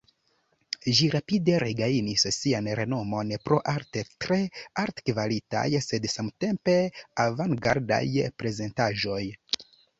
Ĝi rapide regajnis sian renomon pro arte tre altkvalitaj sed samtempe avangardaj prezentaĵoj.